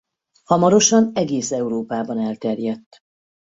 Hamarosan egész Európában elterjedt.